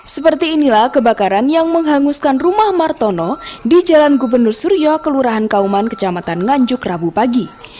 seperti inilah kebakaran yang menghanguskan rumah martono di jalan gubernur suryo kelurahan kauman kecamatan nganjuk rabu pagi